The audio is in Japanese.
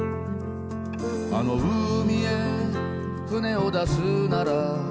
「あの海へ船を出すなら」